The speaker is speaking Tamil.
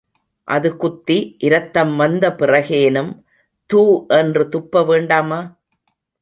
அது குத்தி, இரத்தம் வந்த பிறகேனும் தூ என்று துப்ப வேண்டாமா?